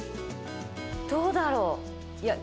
どうだろう？